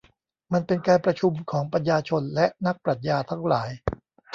มันเป็นการประชุมของปัญญาชนและนักปรัชญาทั้งหลาย